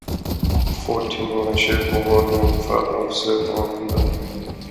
Fort till Norra kyrkogården för att avsluta det.